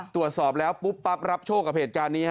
ตรวจสอบแล้วปุ๊บปั๊บรับโชคกับเหตุการณ์นี้